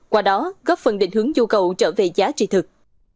qua đó góp phần định hướng du cầu trở về giá trị thực